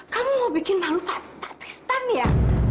kamu mau bikin malu pak tristan ya